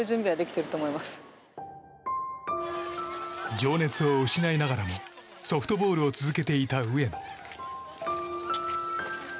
情熱を失いながらもソフトボールを続けていた上野。